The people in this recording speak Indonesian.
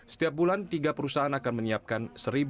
setiap bulan tiga perusahaan akan menyiapkan